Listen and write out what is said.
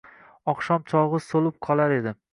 oqshom chog‘i so‘lib qolar edi.